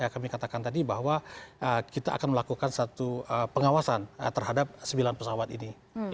kami katakan tadi bahwa kita akan melakukan satu pengawasan terhadap sembilan pesawat ini